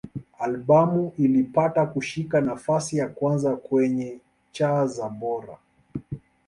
Albamu ilipata kushika nafasi ya kwanza kwenye cha za Bora.